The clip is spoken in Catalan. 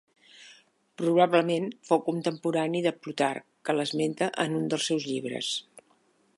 Probablement fou contemporani de Plutarc que l'esmenta en un dels seus llibres.